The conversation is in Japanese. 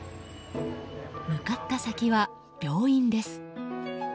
向かった先は、病院です。